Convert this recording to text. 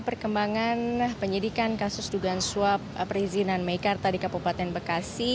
perkembangan penyidikan kasus dugaan suap perizinan mekarta di kabupaten bekasi